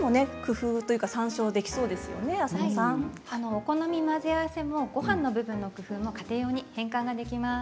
お好み混ぜ合わせもごはんの部分の工夫も家庭用に変換ができます。